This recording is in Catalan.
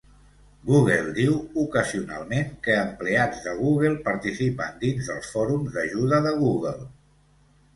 Google diu, ocasionalment, que empleats de Google participen dins dels Fòrums d'Ajuda de Google.